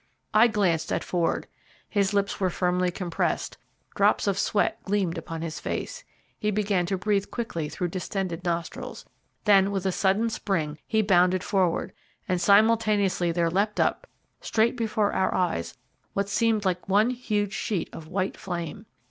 I glanced at Ford: his lips were firmly compressed, drops of sweat gleamed upon his face, he began to breathe quickly through distended nostrils, then with a sudden spring he bounded forward, and simultaneously there leapt up, straight before our eyes, what seemed like one huge sheet of white flame.